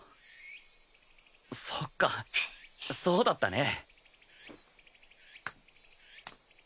そっかそうだったね。